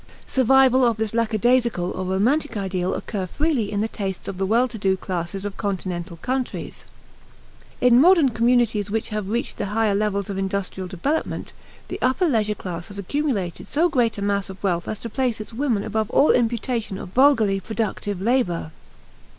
Survivals of this lackadaisical or romantic ideal occur freely in the tastes of the well to do classes of Continental countries. In modern communities which have reached the higher levels of industrial development, the upper leisure class has accumulated so great a mass of wealth as to place its women above all imputation of vulgarly productive labor.